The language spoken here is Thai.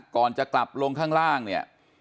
ก่อนจะกลับลงข้างล่างเนี่ย